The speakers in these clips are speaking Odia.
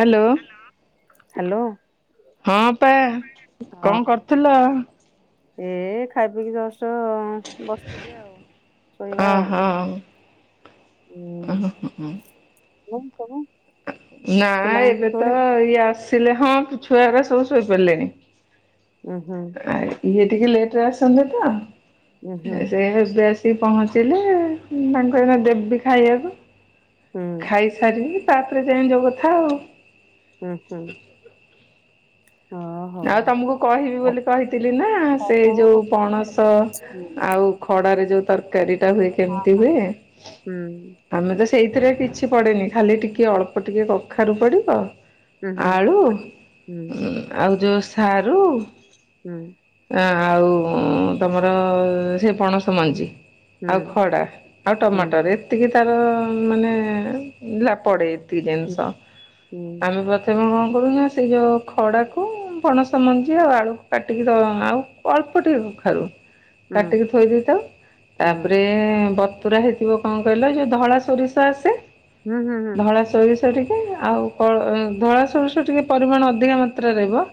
ହ୍ୟାଲୋ। ହ୍ୟାଲୋ। ହଁ ପା ହଁ କଣ କରୁଥିଲ? ଏ ଖାଇ ପିକି ଜଷ୍ଟ ବସିଥିଲି ଆଉ ଶୋଇବା ଆଉ ଓହୋ ହୁଁ ମୁ ତବ ନା ଏବେ ତ ଇଏ ଆସିଲେ ହଁ ଛୁଆ ସବୁ ଶୋଇପଡିଲେଣି। ହୁଁ ହୁଁ। ଆ ଇଏ ଟିକେ ଲେଟରେ ଆସନ୍ତି ଉଁ ହୁଁ ତ ସେଏ ପହଞ୍ଚିଲେ ତାଙ୍କ ଏଇନେ ଦେବି ଖାଇବାକୁ। ହୁଁ। ସାରିକି ତାପରେ ଯାଇ ଯ କଥା ଆଉ ହୁଁ ହୁଁ। ହଁ ଆଉ ହଉ। ତମକୁ କହିବି ବୋଲି କହିଥିଲି ନା ହଁ ସେ ଯୋଉ ହଁ ପଣସ ହୁଁ ଆଉ ଖଡାରେ ଯୋଉ ତରକାରୀଟା ହୁଏ କେମିତି ହୁଏ? ହୁଁ ଆମେ ତ ସେଇଥିରେ କିଛି ପଡେନି ଖାଲି ଟିକେ ଅଳ୍ପ ଟିକେ କଖାରୁ ପଡିବ ହୁଁ ଆଳୁ ହୁଁ ଆଉ ଯୋଉ ସାରୁ ହୁଁ। ଆଉ ତମର ସେ ପଣସ ମଞ୍ଜି। ଆଉ ହୁଁ ଖଡା ଆଉ ହୁଁ ଟମାଟର ଏତିକି ତାର ମାନେ ପଡେ। ହୁଁ ଜିନିଷ ହୁଁ ଆମେ ପ୍ରଥମେ କଣ କରୁଛ ସେ ଯୋଉ ଖଡା ପଣସ ମଞ୍ଜି ଆଉ ଆଳୁ କାଟିକି ଆଉ ଅଳ୍ପ ଟିକେ କଖାରୁ ହୁଁ କାଟିକି ଥୋଇ ଦେଇଥାଉ ତାପରେ ହୁଁ ବ ରହିଯିବ କଣ କହିଲେ ଯୋଉ ଧଳା ସୋରିଷ ଆସେ ହୁଁ ହୁଁ ହୁଁ ହୁଁ ଧଳା ସୋରି ସୋରିଷ ଟିକେ ଆଉ ଧଳା ସୋରିଷ ଟିକେ ପରିମାଣ ଅଧିକା ମାତ୍ରାରେ ରହିବ।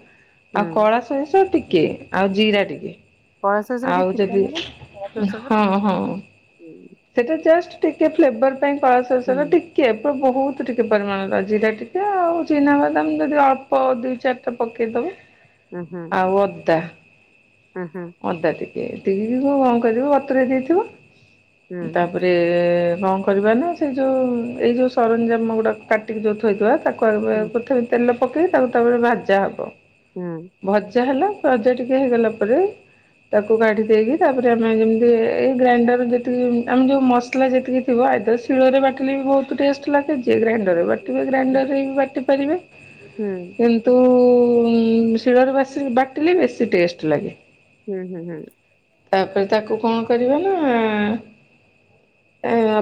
ଆଉ ହୁଁ କଳା ସୋରିଷ ଟିକେ ଆଉ ଜିରା ଟିକେ କଲା ସୋରିଷଟା ଆଉ ଟିକେ ପିତା ଯଦି ଲାଗେନି କଲା ସୋରିଷ ଟା ହଁ ହଁ ପିତା ସେଟା ଜଷ୍ଟ ଟିକେ ଫ୍ଲେବର ପାଇଁ କଳା ସୋରିଷର ଟିକେ ବହୁତ ଟିକେ ପରିମାଣର ଜିରା ଟିକେ ଆଉ ଚିନା ବାଦାମ ଯଦି ଅଳ୍ପ ଦୁଇ ଚାରି ପକେଇଦବା ଉଁ ହୁଁ ଆଉ ଅଦା ଉଁ ହୁଁ ଅଦା ଟିକେ ଏତିକିକୁ କଣ କରିବ ବତୁରେଇ ଦେଇଥିବ ହୁଁ ତାପରେ କଣ କରିବା ନା ସେଇ ଯୋଉ ଏଇ ଯୋଉ ସରଞ୍ଜାମ ଗୁଡାକ କା ଟିକେ ଯୋଉ ଥୋଇଥିବା ତାକୁଗ ହୁଁ ପ୍ରଥପ ତେଲ ପକେଇ ତାକୁ ତାପରେ ଭାଜା ହବ। ହଁ। ଭଜା ହେଲା ଭଜା ଟିକେ ହେଇଗଲା ପରେ ତାକୁ କାଟିି ଦେଇକି ତାପରେ ଆମେ ଯେମିତି ଏଇ ଗ୍ରାଇଣ୍ଡର ଆମେ ଯୋଉ ମସଲା ଯେତିକି ଥିବ ଆଇଦର ଶିଳରେ ବାଟିଲେ ବି ବହୁତ ଟେଷ୍ଟ ଲାଗେ ଯିଏ ଗ୍ରାଇଣ୍ଡ ବାଟିବେ ଗ୍ରାଇଣ୍ଡର ରେ ବି ବାଟି ପାରିବେ। ହୁଁ। କିନ୍ତୁ ଶିଳରେ ବାଟିଲେ ବେଶୀ ଟେଷ୍ଟ ଲାଗେ। ହୁଁ ହୁଁ ହୁଁ। ତାପରେ ତାକୁ କଣ କରିବା ନା?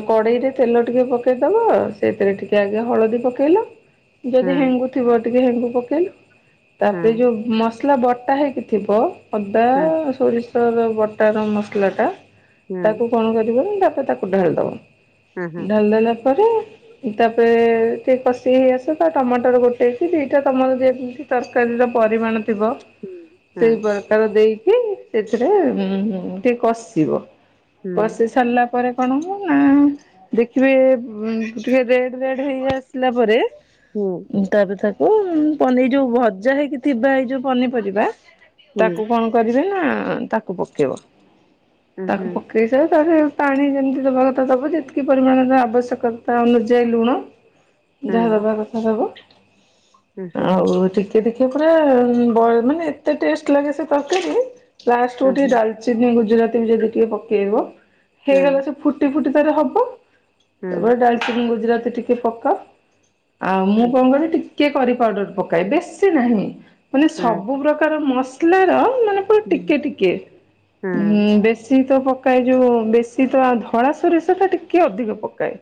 କଡ଼େଇରେ ତେଲ ଟିକେ ପକେଇଦବ ସେଥିରେ ଟିକେ ଆଗେ ହଳଦୀ ପକେଇଲ। ଯଦି ନାଇଁ ହେଙ୍ଗୁ ଥିବ ଟିକେ ହେଙ୍ଗୁ ପକେଇକି ତାପରେ ଯୋଉ ମ ମସଲା ବଟା ହେଇକି ଥିବ ଅଦା ଭଲ ସୋରିଷର ବଟାର ମସଲା ଟା। ତାକୁ କଣ କରିବ ତାପରେ ତାକୁ ଢାଳି ଦବ ହିସାବରେ ଢାଳିଦଲା ପରେ। ତାପରେ ଟିକେ କଷି ହେଇ ଆସ ତା ଟମାଟର ଗୋଟେ ହେଇଛି ଦିଟା ତମର ଯେମିତି। ତରକାରୀର ପରିମାଣ ଥିବ। ସେଇ ପ୍ରକାର ଦେଇକି ସେଥିରେ ଉ ଟିକେ କଷିବ। ପଶି ସାରିଲା ପରେ। କଣ ହ ନା ଦେଖିବେ ଉ ଟିକେ ରେଡ ରେଡ ହେଇ ଆସିଲା ପରେ। ହୁଁ। ତାପରେ ତାକୁ ପନି ଏ ଯୋଉ ଭଜା ହେଇକି ଥିବା ଏଇ ଯୋଉ ପନିପରିବା ହୁଁ ହୁଁ ତାକୁ କଣ। କରିବେ ନା ତାକୁ ପକେଇବ ତାକୁ ପକେଇ। ତାରେ ପାଣି ଯେମିତି ଦେବା କଥା ଦବୁ ଯେତିକି ପରିମାଣର ଆବଶ୍ୟକତା ଅନୁଯାୟ ଲୁଣ [inaudible] ଯାହା ଦବା କଥା ଦବ ଆଉ ଟିକେ। ସେ ଟିକେ ପୁରା ବ୍ ମାନେ ଏତେ ଟଷ୍ଟ ଲାଗେ ସେ ତରକାରି ଲାଷ୍ଟଡା ଟିକେ ଡ଼ାଲ ସେ ନେଇ ଗୁଜୁରାତି ବି ଯଦି ଟିକେ ପକେଇବ ହେଇଗଲା ସେ ଫୁଟି ଫୁଟି ତାର ହବ ସେପ ଡାଲଚିନି ଗୁଜୁରାତି ଟିକେ ପକା ଆଉ ମୁଁ କଣ କରେ ଟିକେ। କିଏ କରି ପାଉଡର ପକାଏ ବେଶୀ ନାହିଁ ମାନେ ସବୁ ପ୍ରକାର ମସଲାର ମାନେ। ପୁଣି ଟିକେ ଟିକେ ଉ ବେଶୀ ତ। ପକାଏ ଯୋଉ ବେଶୀ ତ ଧଳା ସୋରିଷ ଟ ଟିକେ ଅଧିକ ପକାଏ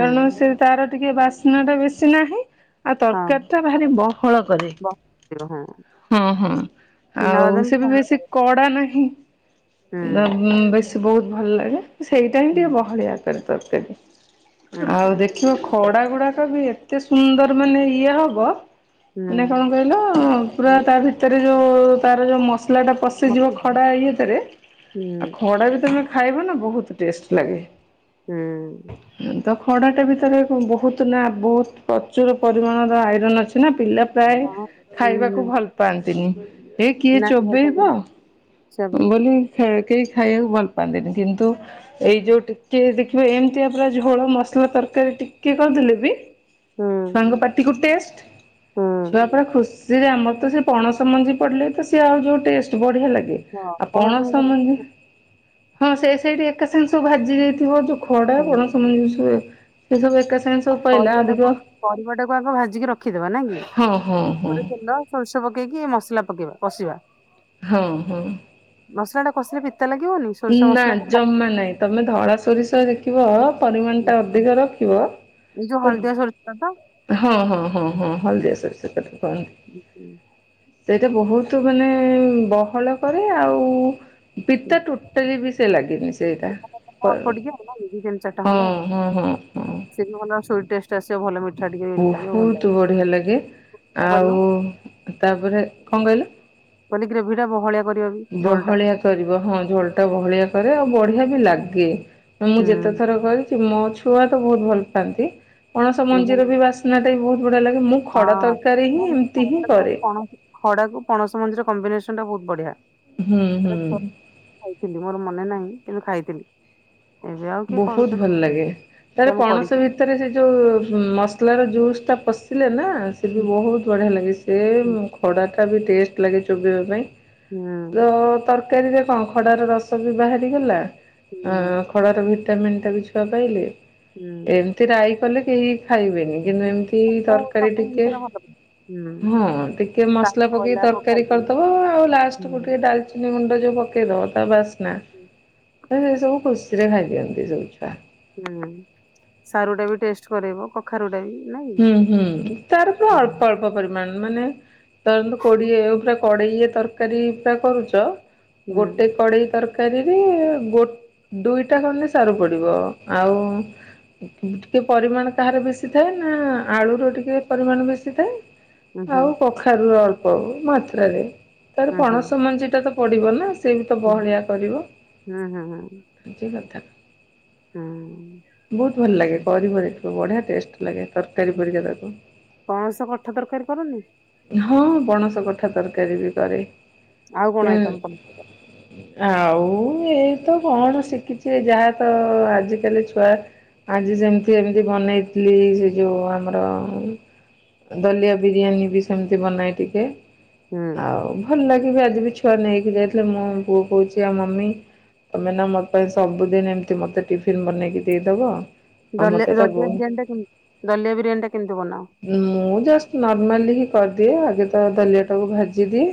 କାରଣ ସେ ତାର ଟିକେ ବାସ୍ନା ଟା ବେଶୀ ନାହିଁ ଆଉ ତରକାରୀ ଟା ଭାରି ବହଳ କରେ। ହଁ ହଁ ଆଉ ସେ ବି ବେଶୀ କଡା ନାହିଁ ବେଶୀ ବହୁତ ଭଲ ଲାଗେ ସେଇଟା ହିଁ ଟିକେ ବହଳିଆ। ତରକାରି ଆଉ ଦେଖିବ ଖଡା ଗୁଡାକ ବି ଏତେ ସୁନ୍ଦର ମାନେ ଇଏ ହବ। ମାନେ କଣ କହିଲ ପୁରା ତା ଭିତରେ ଯୋଉ ତାର ଯୋଉ ମସଲା ଟା ପଶ୍- ସେ ଯିବ ଖଡ଼ା ଇଏତରେ ଆଉ ଖଡା ବି ତମେ ଖାଇବ ନା ବହୁତ ଟେଷ୍ଟ ଲାଗେ। ହୁଁ ଉ ତ ଖଡାଟା ଭିତରେ ବହୁତ ନା ବହୁତ ପ୍ରଚୁର ପରିମାଣର ଆଇରନ୍ ଅଛି ନା ପିଲା। ପ୍ରାୟ ଖାଇବାକୁ ଭଲ ପାଆନ୍ତିନି ଏ କିଏ ଚୋବେଇବ ବୋଲି ଖ କେହି ଖାଇ ବାକୁ ଭଲ ପାଆନ୍ତିନି କିନ୍ତୁ ଏଇ ଯେଉଁ ଟିକିଏ ଦେଖିବ ଏମିତିଆ ପୁରା ଝୋଳ ମସଲା ତରକାରୀ ଟିକିଏ କରିଥିଲେ ବି ଛୁଆଙ୍କ ପାଟିକୁ ଟେଷ୍ଟ ଛୁଆ ପୁରା ଖୁସି। ଯେ କି ଆମର ତ ସେ ପଣସ ମଞ୍ଜି ପଡିଲେ ତ ସିଏ ଆଉ ଯୋଉ ଟେଷ୍ଟ ବଢିଆ ଲାଗେ। ହଁ ଆଉ ପଣସ ମଞ୍ଜି। ମଞ୍ଜିଟା ହଁ ସେ ସେଇଠି ଏକା ସାଙ୍ଗଷବୁ ଭାଜି ଦେଇଥିବ ଯୋଉ ଖଡା ପଣସମଞ୍ଜି। ଏ ସବୁ ଏକା ସାଙ୍ଗ ପରିବାଟାକୁ ପରିବା ଟାକୁ ଆଗ ଭାଜିକି ରଖିଦବା ନା କି ହଁ ହଁ ହଁ ତାପରେ ତେଲ ସୋରିଷ ପକେଇକି ମସଲା ପକେଇବା କଷିବା। ହଁ -ହଁ। ମସଲା ଟା କଷିଲେ ପିତା ଲାଗିବନି? ସୋରିଷ ନା ମସଲା ଟା ଖାଲି ଜମା ନାଇଁ ତମେ ଧଳା ସୋରିଷରେଖ ରଖିବ ପରିମାଣ ଟା ଅଧିକ ରଖିବ। ଏଇ ଯୋଉ ହଳଦିଆ ସୋରିଷ ତ ହଁ ହଁ ହଁ ହଁ ହଳଦିଆ ସୋରିସ ଢା କୁ କହନ୍ତି। ସେଇଟା ବହୁତ ମାନେ ବହଳ କରେ ଆଉ ପିତା ଟୁ ବିସେ ଲାଗିନି ସେଇଟା। ଅଳ୍ପ ଟିକେ ଆଉ ନା କି [unintelligible] ଚାରିଟା ହଁ ଖଣ୍ଡ ହଁ ହଁ ସେ ବି ଭଲ ସୋ ଟେଷ୍ଟ ଆସିବ ଭଲ ମିଠା ଟିକେ ଲାଗିବ ଭଲ ବହୁତ୍ ଲାଗିବ ବଢିଆ ଲାଗେ ସେୟା କରିବ। ଆଉ ତାପରେ କଣ କହିଲେ? ପନିକିରେ ଭିଡ଼ ବହଳିଆ କରିବା ବି ଝୋଳ ଟା ବହଳିଆ କରିବ, ହଁ ଝୋଳ ଟା ବହଳିଆ କରେ ଆଉ ବଢିଆ ବି ଲାଗେ। ମୁଁ ହୁଁ ଯେତେ ଥର କରିଛି ମୋ ଛୁଆ ତ ବହୁତ ଭଲ ପାଆନ୍ତି ପଣସ ଦେଖିଆ ମଞ୍ଜିର ହଁ। ବି ବାସ ସୁନାଟା ବି ବହୁତ ବଢ଼ିଆ ଲାଗେ ମୁଁ ଖଡ଼ା ତରକାରୀ ହିଁ ନାଇଁ ଏମିତି ହିଁ ଖଡାକୁ କରେ। ପଣସ ଖଡାକୁ ପଣସ ମଞ୍ଜିର କମ୍ବିନେସନ ଟା ବହୁତ ବଢିଆ। ହୁଁ- ହୁଁ। ସେଟା ଛୁଆବେଳେ ଖାଇଥିଲି ମୋର ମନେ ନାହିଁ କିନ୍ତୁ ଖାଇଥିଲି। ଏବେ ଆଉ କିଏ କରୁଛନ୍ତି ବହୁତ ଭଲ ଲାଗେ ସେଟା ତାର ମୁଁ ପଣସ କରିଛି ଭିତରେ ସେ ଯୋଉ-ମସ୍ ମସଲାର ଜୁସ୍ ଟା ପଶିଲେ ନା ସେ ବି ହୁଁ ବହୁତ ବଢିଆ ଲାଗେ ସେ ହୁଁ ଖଡାଟା ବି ଟେଷ୍ଟ ଲାଗେ ଚୋବବା ପାଇଁ ତ ତରକ ତରକାରୀରେ କଣ ଖଡା ର ରସ ବି ବାହାରି ଚାଲା ଆଁ ଖଡା ଭିଟାମନ୍ ଟା ବି ଛୁଆ ପାଇଲେ। ହୁଁ ଏମିତି ରାଇ କଲେ କେହି ଖାଇବେନି। କିନ୍ତୁ ଏମିତି ତରକାରୀ ସବୁ ଟିକେ ଜିନିଷରେ ଭଲ ପାଏ ହୁଁ ହଁ ଟିକେ ମସଲା ଶାଗ ପକେଇି କହିଲା ତର ତରକାରି କଖାରୁ କହିଲା କରିଦବ ଆଉ ଲାଷ୍ଟକୁୁ ହୁଁ। ଟିକେ ଡାଲ ଚିନି ଗୁଣ୍ଡ ଯୋଉ ପକେଇଦବ ତା ବାସ୍ନା ସେସବୁ ଖୁସିରେ ଖାଇ ଦିଅନ୍ତି ସବୁ ଛୁଆ। ହୁଁ -ସାରୁ ଟା ବି ଟେଷ୍ଟ କରାଇବ କ କଖାରୁଟା ବି ନାଇଁ କି? ହୁଁ ହୁଁ ତାର ତ ଅଳ୍ପ ଅଳ୍ପ ଅଳ୍ପ ପରିମାଣ ମାନେ ଧରନ୍ତୁ କୋଡି ଏ କଡେଇ ତରକାରୀ ପୁରା କରୁଛ ହୁଁ ହୁଁ ଗୋଟେ କଡ଼େଇ ତରକାରୀ। ତରକାରୀରେ ଗୋ ଦୁଇଟା ଖଣ୍ଡଲେେ ସାର ପଡିବ ଆଉ ଟିକେ ପରିମାଣ ତାହାର ବେଶୀ ଥାଏ। ନା ଆଳୁର ର ଟିକେ ପରିମାଣ ବେଶୀ ଥାଏ ହୁଁ ହୁଁ ଆଉ କଖାରୁ ର ଅଳ୍ପ ହବ ମାତ୍ରରେ ତାର ହୁଁ ପଣସ ମଞ୍ଜି ଟା ତ ପଡିବ ନା ସେ ବି ତ ହୁଁ ବହଳିଆ କରିବ ହୁଁ ହୁଁ ଆଜି କଥା ହଁ ବହୁତ ଭଲ ଲାଗେ କରିବରେ ବଢିଆ ଟେଷ୍ଟ ଲାଗେ ତରକାରୀ ହୁଁ ପରିକା ତାକୁ ପଣସ କଠା ତରକାରୀ କରନି ହଁ ପଣସ କଠା ତରକାରୀ ବି କରେ। ଆଉ କଣ ଆଇଟମ୍ କ ଆଉ ଏଇ ତ କଣ ଶିଖିଛି ଯାହା ତ ଆଜିକାଲି ଛୁଆ ଆଜି ଜେମିତି ଏମିତି ବନେଇଥିଲି ସେ ଯୋଉ ଆମର ଦଲିଆ ବିରିୟାନୀ ବି ସେମିତି ବନାଏ ଟିକେ। ହୁଁ ଆଉ ଭଲ ଲାଗିବି ଆଜି ବି ଛୁଆ ନେଇକି ଯାଇଥିଲେ ମୋ ବଉ କହୁଛି ଆଉ ମମି ତମେ ନା ମୋ ପାଇଁ ସବୁଦିନ ଏମିତି ମୋତେ ଟିଫିନ୍ ବନେଇକି ଦେଇଦବ। ଆଉ ଦଲି ମତେ ଏଟା ବହୁ ଦଲିଆ ବିରିୟାନୀ ଟା କେ ଦଲିଆ ବିରିୟୀ ଟା କେମତି ବନାଅ। ମୁଁ ଜଷ୍ଟ ନର୍ମାଲି ହି କରିଦିଏ ଆଗେ ତ ଦଲିଆ ଟାକୁ ଭାଜିଦିଏ।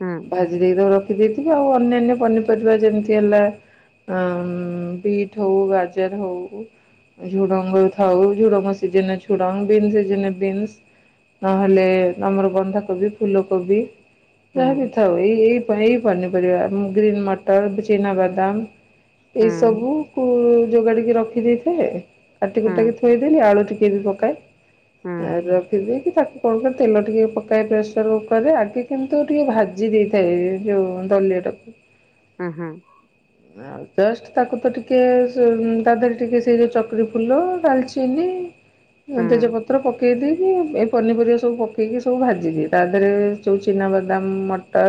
ହୁଁ ଭାଜି ଦେଇକିବ ରଖି ଦେଇେଇଥିବି ଆଉ ଅନ୍ୟାନ୍ୟ ପନିପରିବା ଯେମିତି ହେଲା। ଆ ବିଟ୍ ହଉ ଗାଜର ହଉ ଝୁଡଙ୍ଗ ଥାଉ ଝୁଡ଼ଙ୍ଗ ସିଜେନା ଝୁଡ଼ଙ୍ଗ ବିନ୍ସଜେ ବିନ୍ସ। ନହେଲେ ଆମର ବନ୍ଧାକୋବି ଫୁଲକୋବି। ହୁଁ ଯାହା ବିି ଥାଉ ଏଇ ଏଇ ଏଇ ପନିପରିବା ଗ୍ରୀ ମ ମଟର ଚିନାବାଦାମ ହୁଁ ଏ ସବୁକୁ ଯୋଗାଡ଼ିକି ରଖିଦେଇଥିଲେ। ହୁଁ କାଟିକୁଟାକି ଥୋଇଦେଲି। ଆଳୁ ଟିକେବି ପକାଏ। ହୁଁ ଆ ରଖିଦେଇକି ତାକୁ କଣଙ୍କ ତେଲ ଟିକେ ପକାଏ ପ୍ରେସର୍ କୁକ୍ ରେ, ଆଗେ କିନ୍ତୁ ଟିକେ ଭାଜି ଦେଇଥାଏ, ଯଉଁ ଦଲିଆଟାକୁ। ହ ହୁଁ, ହୁଁ। ଆଉ, ଜଷ୍ଟ ତାକୁ ତ ଟିକେ, ସେ ତା ଦେହରେ ଟିକେ ସେଇ ଯୋଉ ଚକରରି ଫୁଲ, ଡାଲଚ୍ ଚିନି, ତେଜପତ୍ର ପକେଇଦେଇ ଉଁ, ଏ ପନିପରିବା ସବୁ ପକେଇକି ସବୁ ଭାଜିଦିଏ। ତା, ଦେହରେ ଯଉ ଚିନାବାଦାମ, ମଟର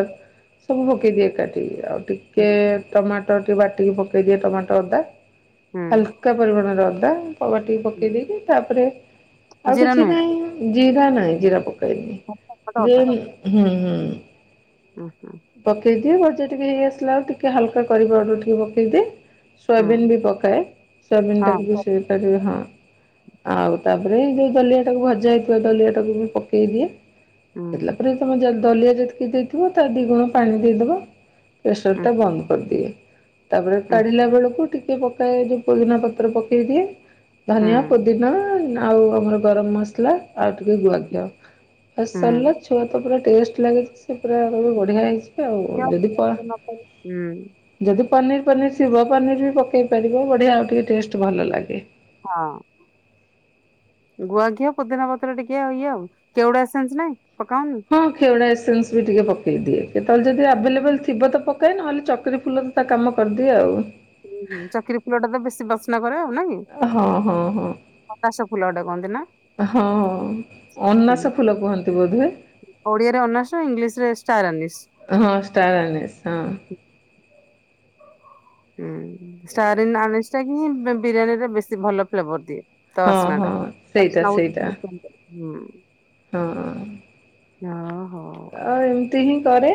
ସବୁ ପକେଇ ଦିଏ ଏକାଠି। ଆଉ ହୁଁ। ଟିକେ ଟମାଟୋ ଟିକେ ବାଟିକି ପକେଇଦିଏ ଟମାଟୋ ଅଦା। ହାଲକ୍ ହୁଁ ଉକା ପରିମାଣର ଅଦା, ପ ବାଟିକି ପକେଇ ଦେଇକି, ତା'ପରେ ଆଉ ଜିରା କିଛି ନୁହେଁ ନାହିଁ? ଜିରା ନାଇଁ, ଜିରା ପକାଏନି। ଟମାଟୋ ଯେ ହୁଁ ହୁଁ। ଉ, ହୁଁ। ପକେଇ ଦିଏ, ଭଜା ଟିକେ ହେଇଆସିଲା ଆଳୁ, ଟିକେ ହାଲ୍କା କରି ପାଉର୍ଡ଼ର ଟିକେ ପକେଇଦିଏ। ହୁଁ ସୋୟାବିିନ ବି ପକାଏ। ସୋୟାବିିନ ହଁ ଟାକୁ ବିଶେଇ ପାରିବ, ହଁ। ଆଉ, ତା'ପରେ ଯଉ ଦଲିଆ ଟାକୁ ଭଜା ହେଇଥିବ, ଦଲିଆ ଟାକୁ ବି ପକେଇ ଦିଏ। ହୁଁ ଦେଲା ପରେ ତମେ ଯ୍ ଦଲିଆ ଯେତିକି ଦେଇଥିବ, ତା ଦି ଗୁଣ ପାଣି ଦେଇଦବ। ପ୍ରେସର୍ ହୁଁ ଟା ବନ୍ଦ କରିଦିଏ। ତା'ପରେ ହୁଁ କାଢିଲା ବେଳକୁ ଟିକେ ପକାଏ, ଯୋଉ ପୁଦିନା ପତ୍ର ପକେଇ ଦିଏ। ହୁଁ ଧନିଆ, ପୋଦିନା [unintelligible] ଆଉ, ଆମର ଗରମ ମସଲା, ଆଉ ଟିକେ ଗୁଆ ଘିଅ, ବାସ୍ ସର୍ ହୁଁ ଲା। ଛୁଆ ତ ପୁରା ଟେଷ୍ଟ ଲାଗେ ଯେ, ସେ ପୁରା କହିବେ, ବଢ଼ିଆ ହେଇଛି। ହଉ ଘିଅ ଯଦି ପ ପୁଦିନା ପତ୍ର ହୁଁ ଯଦି ପନିର୍ ପନିର୍ ଥିବ, ପନିର୍ ବି ପକେଇ ପାରିବ। ବଢ଼ିଆ ଆଉ ଟିକେ ଟେଷ୍ଟ ଭଲ ଲାଗେ। ହଁ। ଗୁଆ ଘିଅ ପୁଦିନା ପତ୍ର ଟିକେ, ଇଏ ଆଉ। କେଉଡା ଏସେନ୍ସ ନାଇଁ! ପକାଅନି? ହଁ, ଖେଉଡା ଏସେନ୍ସ ବି ଟିକେ ପକେଇ ଦିଏ। କେତଳେ ଯଦି ଆଭେଲେବଲ୍ ଥିବ ତ ପକ୍ କାଏ, ନହେଲେ ଚକରୀ ଫୁଲ ତ, ତା କାମ କରିଦିଏ ଆଉ। ହୁଁଁ, ଚକ୍ରୀ ଫୁଲଟା ତ ବେଶୀ ବାସ୍ନା ଭରେ ଆଉ, ନାହିଁ? ହଁ, ହଁ, ହଁ। ଅନାସ ଫୁଲ ଏଟା କହନ୍ତି ନା? ହଁ, ଅନାସ ଫୁଲ କୁହନ୍ତି ବୋଧେ? ଓଡ଼ିଆରେ ଅନାଶ ଇଂଲିଶ୍ ରେ, ଷ୍ଟାର୍ ଆନିଶ୍। ହଁ, ଷ୍ଟାର ଆନିଶ୍ ହଁ। ହୁଁ, ଷ୍ଟାର୍ ଇନ୍ ଅନ୍ ଇଷ୍ଟା ହିଁ, ବି-ବିରିୟାନୀରେ ବେଶୀ ଭଲ ଫ୍ଲେଭର୍ ଦିଏ। ତା ହଁ ହଁ ବାସ୍ନାଟା! ସେଇଟା ବାସନା୍ ସେଇଟା ବହୁତ [unintelligible] ହୁଁ। ହଁ। ହଁ, ହଉ। ତିହିଁ କରେ,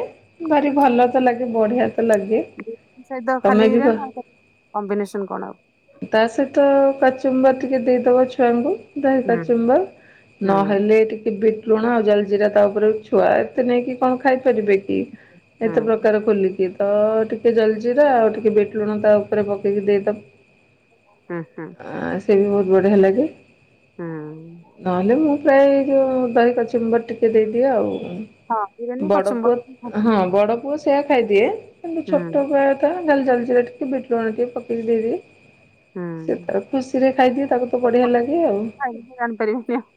ଭାରି ଭଲ ତ ଲାଗେ, ବଢ଼ିଆ ତ ଲାଗେ। ବି [inaudible] ସହିତ ତମେ ଖାଲି ବି କ ଏରା ନା, [inaudible] କଣ କମ୍ବିନେସନ୍ କଣ ଆଉ? ତା, ସହିତ କଚୁମ୍ବର୍ ଟିକେ ଦେଇଦବ ଛୁଆଙ୍କୁ। ଦହି ହୁଁ କଚୁମ୍ବର୍, ହୁଁ ନହେଲେ ଟିକେ ବିଟ୍ ଲୁଣ ଆଉ ଜଲ୍ ଜିରା ତା, ଉପରେ ଛୁଆ ଏତେ ନେଇକି କଣ ଖାଇପାରିବେ କି? ହୁଁ ଏତେ ପ୍ରକାର ଖୋଲିକି, ତ ଟିକେ ଜଲ୍ ଜିରା ଆଉ ଟିକେ ବିଟ୍ ଲୁଣ ତା, ଉପରେ ପକେଇକି ଦେଇଦବ। ହୁଁ, ହୁଁ। ଆଁ, ସେଇ ବହୁତ ବଢ଼ିଆ ଲାଗେ। ହୁଁ। ନହେଲେ, ମୁଁ ପ୍ରାୟ ଏ ଯୋଉଁ ଦହି କଚୁମ୍ବର୍ ଟିକେ ଦେଇଦିଏ ହଁ ଆଉ-ଉଁ। ବିରିୟାନୀ କଚୁମ୍ବର ବଡ଼ପୁଅ ହଁ ବଡ଼ପୁଅ ସ୍ ସେଇଆ ଖାଇଦିଏ। କିନ୍ତୁ ହୁଁ ଛୋଟବେଳଟା ନଲେ ଜଲ୍ ଜିରା ଟିକେ ବିଟ୍ ଲୁଣ ଟିକେ ପକେଇକି ଦେଇଦିଏ। ସେ ହୁଁ। ତାର୍ ଖୁସିରେ ଖାଇଦିଏ ତାକୁ ତ ବଢ଼ିଆ ଚଟପଟା ଲାଗେ ଆଉ। ଖାଇଲେ ତ ଜାଣିପାରିବେନି ଆଉ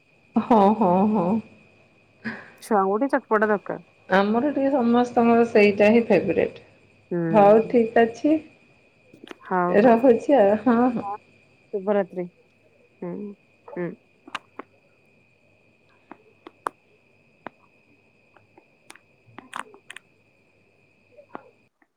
ହଁ ହଁ ହଁ। ଛୁଆଙ୍କୁ ଗୋଟେ ଚଟପଟା ଦରକାର।। ଆମର ଟିକେ ସମସ୍ତଙ୍କର ସେଇଟା ହି ଫେବ୍ରେଟ୍। ହଉ ହୁଁ ଠିକ୍ ଅଛି। ହଉ ହଉ ରହୁଚି ଆଉ ହଁ ହଁ। ଶୁଭରାତ୍ରି ହୁଁ ହୁଁ।